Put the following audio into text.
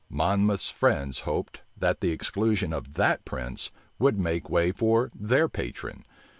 Monmouth's friends hoped, that the exclusion of that prince would make way for their patron.